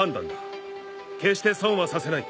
決して損はさせない。